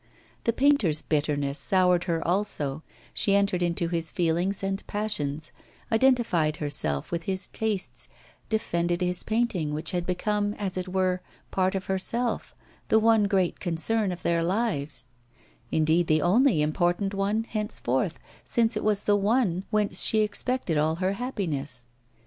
The painter's bitterness soured her also; she entered into his feelings and passions, identified herself with his tastes, defended his painting, which had become, as it were, part of herself, the one great concern of their lives indeed, the only important one henceforth, since it was the one whence she expected all her happiness.